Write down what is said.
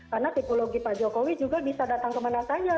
karena tipologi pak jokowi juga bisa datang kemana saja